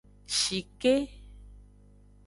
Shike.